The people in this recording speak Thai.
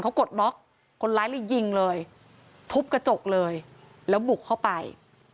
เขากดล็อกคนร้ายเลยยิงเลยทุบกระจกเลยแล้วบุกเข้าไป